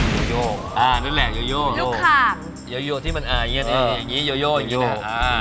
โยโยอ๋อนั่นแหละเจ้าคาม